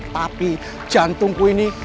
tapi jantungku ini